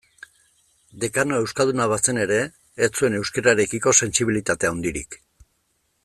Dekanoa euskalduna bazen ere, ez zuen euskararekiko sentsibilitate handirik.